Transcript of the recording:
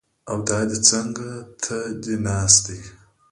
او دا دی څنګ ته دې ناست دی!